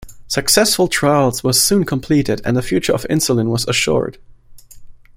Successful trials were soon completed and the future of insulin was assured.